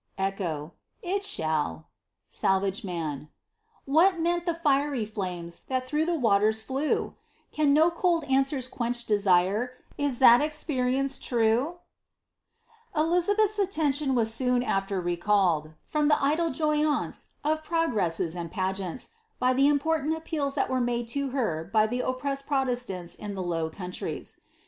Echo.— It shall. Smhage Man, — ^What meant the fiery flaines that through the waters flewf Can no cold answers quench desire — Is that experience true V^ Dizabeth's attention was soon afUr recalled, from the idle joyaunce of progresses and pageants, by the important appeals that were made to ber by the oppressed Protestants in the Low Countries.